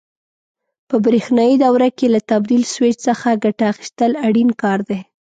په برېښنایي دوره کې له تبدیل سویچ څخه ګټه اخیستل اړین کار دی.